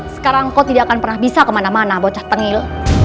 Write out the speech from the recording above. sekarang kau tidak akan pernah bisa kemana mana bocah tengil